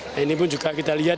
nah ini pun juga kita lihat